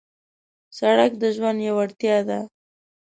سړک د ژوند یو اړتیا ده.